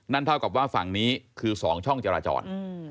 เท่ากับว่าฝั่งนี้คือ๒ช่องจราจร